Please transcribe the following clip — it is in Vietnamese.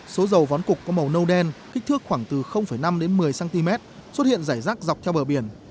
số dầu vón cục có màu nâu đen kích thước khoảng từ năm đến một mươi cm xuất hiện rải rác dọc theo bờ biển